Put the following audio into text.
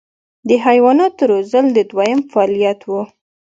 د حیواناتو روزل دویم فعالیت و.